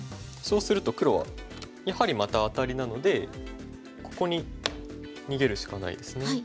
そうすると黒はやはりまたアタリなのでここに逃げるしかないですね。